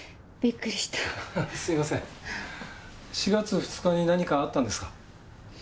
４月２日に何かあったんですか？